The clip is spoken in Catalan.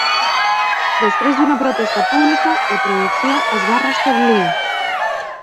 Després d'una protesta pública, la producció es va restablir.